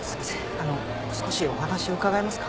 あの少しお話を伺えますか？